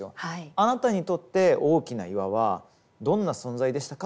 「あなたにとって大きな岩はどんな存在でしたか？」